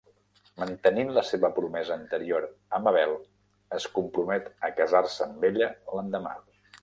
Mantenint la seva promesa anterior a Mabel es compromet a casar-se amb ella l'endemà.